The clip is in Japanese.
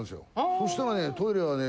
そしたらねトイレはね